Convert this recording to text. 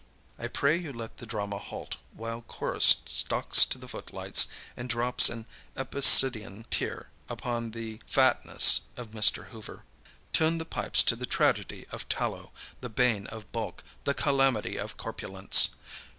I pray you let the drama halt while Chorus stalks to the footlights and drops an epicedian tear upon the fatness of Mr. Hoover. Tune the pipes to the tragedy of tallow, the bane of bulk, the calamity of corpulence.